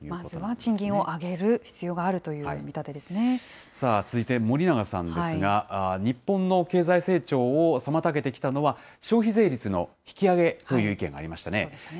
まずは賃金を上げる必要があ続いて森永さんですが、日本の経済成長を妨げてきたのは、消費税率の引き上げという意見がありましたね。